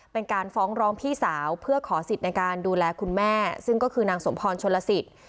เป็นการฟ้องร้องพี่สาวเพื่อขอสิทธิ์ในการดูแลคุณแม่ซึ่งก็คือนางสมพรชนลสิทธิ์